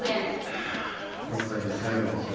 ハァ今回で最後にする。